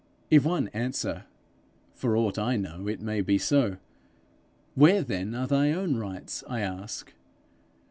If one answer, 'For aught I know, it may be so,' Where then are thy own rights? I ask.